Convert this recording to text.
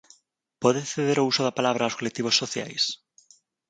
Pode ceder o uso da palabra aos colectivos sociais?